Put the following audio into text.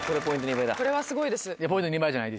これはすごいです。